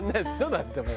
だってもう。